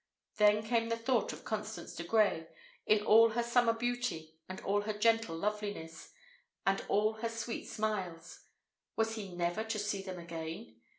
Then came the thought of Constance de Grey, in all her summer beauty, and all her gentle loveliness, and all her sweet smiles: was he never to see them again?